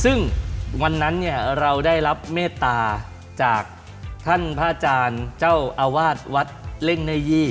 ซึ่งวันนั้นเนี่ยเราได้รับเมตตาจากท่านพระอาจารย์เจ้าอาวาสวัดเล่งเน่ยี่